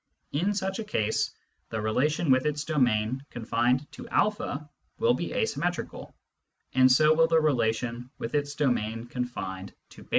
In such a case, the relation with its domain confined to a will be asymmetrical, and so will the relation with its domain confined to j3.